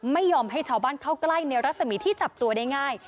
ไม่ยอมให้ชาวบ้านเข้าใกล้ในรัศมีที่จับตัวได้ง่าย